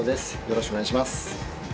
よろしくお願いします。